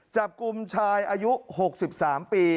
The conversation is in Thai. จับกลุ่มชายอายุ๖๓ปี